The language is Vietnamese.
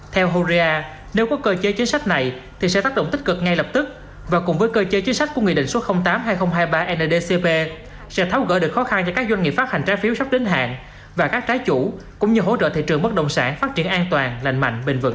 theo horea nếu có cơ chế chính sách này thì sẽ tác động tích cực ngay lập tức và cùng với cơ chế chính sách của nghị định số tám hai nghìn hai mươi ba ndcp sẽ tháo gỡ được khó khăn cho các doanh nghiệp phát hành trái phiếu sắp đến hạn và các trái chủ cũng như hỗ trợ thị trường bất động sản phát triển an toàn lành mạnh bình vẩn